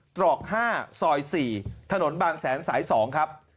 ตรอก๕ซอย๔ถนนบางแสนสาย๒ครับ